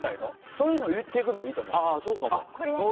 そういうのを言っていくのもいいと思う。